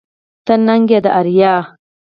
ته ننگ يې د اريا